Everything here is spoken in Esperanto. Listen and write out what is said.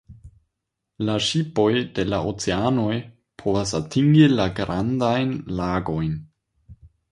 La ŝipoj de la oceanoj povas atingi la Grandajn Lagojn.